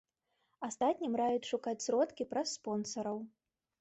Астатнім раяць шукаць сродкі праз спонсараў.